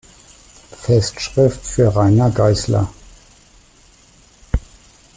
Festschrift für Rainer Geißler.